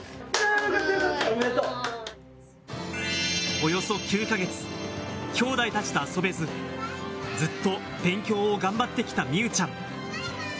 およそ９か月、きょうだいたちと遊べず、ずっと勉強を頑張ってきた美羽ちゃん。